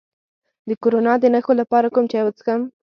د کرونا د نښو لپاره کوم چای وڅښم؟